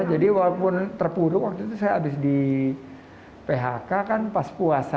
jadi walaupun terpuruk waktu itu saya habis di phk kan pas puasa